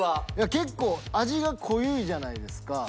結構味が濃いじゃないですか。